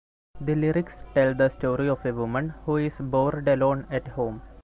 The lyrics tell the story of a woman who is bored alone at home.